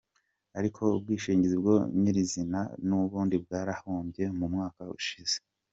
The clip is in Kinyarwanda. Ariko ubwishingizi bwo nyir’izina n’ubundi bwarahombye mu mwaka ushize.